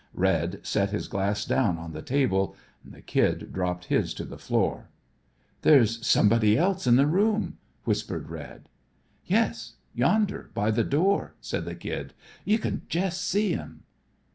Red set his glass down on the table. The Kid dropped his to the floor. "There's somebody else in the room," whispered Red. "Yes, yonder by the door," said the Kid. "You c'n jest see him."